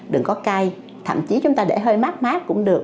đừng có cay thậm chí chúng ta để hơi mát mát cũng được